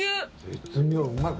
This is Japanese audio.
絶妙うまい。